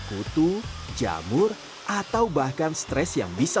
utuh jamur atau bahkan stres yang bisa